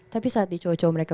tapi saat di cowok cowok mereka